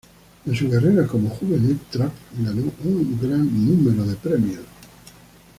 En su carrera como juvenil, Trapp ganó un gran número de premios.